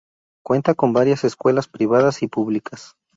Cuenta con varias escuelas, privadas y públicas.